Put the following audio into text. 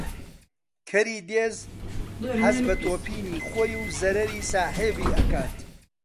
کەری دێز حەز بە تۆپینی خۆی و زەرەری ساحێبی ئەکات